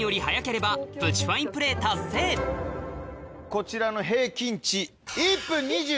こちらの平均値。